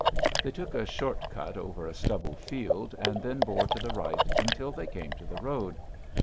They took a short cut over a stubble field and then bore to the right, until they came to the road.